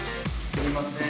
すいません。